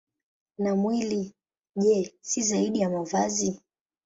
Na mwili, je, si zaidi ya mavazi?